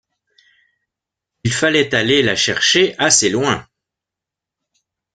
Il fallait aller la chercher assez loin.